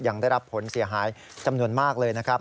ยังได้รับผลเสียหายจำนวนมากเลยนะครับ